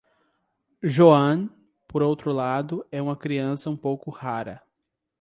Joan, por outro lado, é uma criança um pouco "rara".